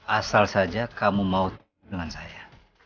asal saja kamu mau dengan saya